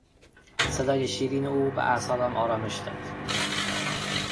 صدای شیرین او به اعصابم آرامش داد.